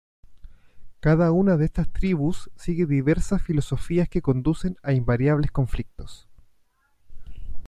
Cada una de estas tribus sigue diversas filosofías que conducen a invariables conflictos.